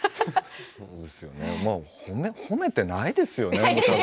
そうですね褒めてないですよね。